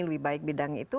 lebih baik bidang itu